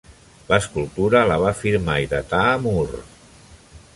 L'escultura la va firmar i datar Moore.